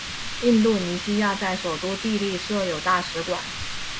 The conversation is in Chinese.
印度尼西亚在首都帝力设有大使馆。